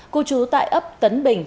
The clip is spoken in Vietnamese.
cô chú tại ấp tấn bình